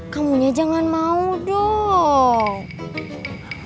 kamunya jangan mau dong